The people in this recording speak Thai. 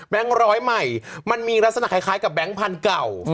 ร้อยใหม่มันมีลักษณะคล้ายกับแบงค์พันธุ์เก่า